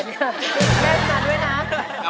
แม่คุณนั้นด้วยนะ